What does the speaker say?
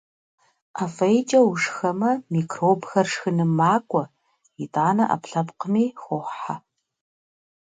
Ӏэ фӀейкӀэ ушхэмэ, микробхэр шхыным макӀуэ, итӀанэ Ӏэпкълъэпкъми хохьэ.